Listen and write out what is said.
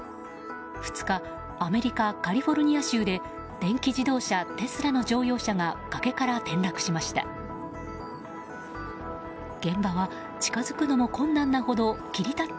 ２日アメリカ・カリフォルニア州で電気自動車テスラの乗用車が崖から転落しました。